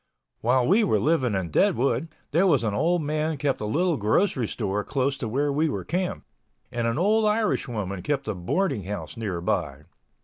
While we were living in Deadwood, there was an old man kept a little grocery store close to where we were camped, and an old Irish woman kept a boarding house nearby.